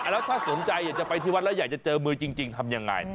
แล้วถ้าสนใจอยากจะไปที่วัดแล้วอยากจะเจอมือจริงทำยังไง